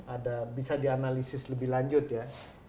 ada bisa dianalisis lebih lanjut ya